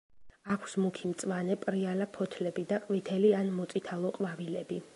აქვს მუქი მწვანე, პრიალა ფოთლები და ყვითელი ან მოწითალო ყვავილები.